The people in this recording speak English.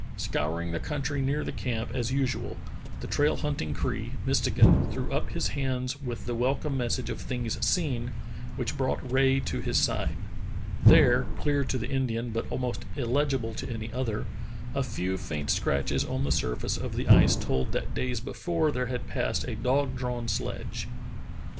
Scouring the country near the camp as usual, the trail hunting Cree, Mistegan, threw up his hands with the welcome message of things seen, which brought Rae to his side. There, clear to the Indian but almost illegible to any other, a few faint scratches on the surface of the ice told that days before there had passed a dog drawn sledge.